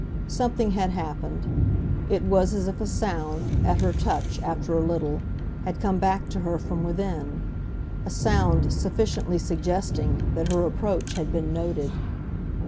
Something had happened; it was as if a sound, at her touch, after a little, had come back to her from within; a sound sufficiently suggesting that her approach had been noted.